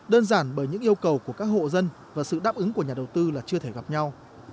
đơn giản bởi những yêu cầu của các hộ dân và sự đáp ứng của nhà đầu tư là chưa thể gặp nhau